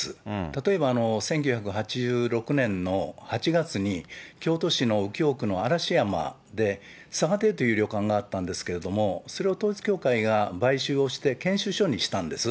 例えば１９８６年の８月に、京都市の右京区の嵐山で、という旅館があったんですけれども、それを統一教会が買収をして研修所にしたんです。